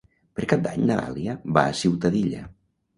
Per Cap d'Any na Dàlia va a Ciutadilla.